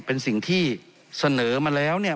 เป็นสิ่งที่เสนอมาแล้วเนี่ย